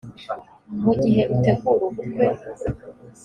mu gihe utegura ubukwe